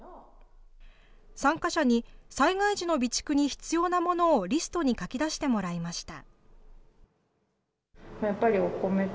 参加者に、災害時の備蓄に必要なものをリストに書き出してもらいました。